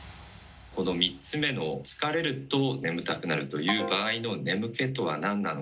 この３つ目の「疲れると眠たくなる」という場合の「眠気」とはなんなのか。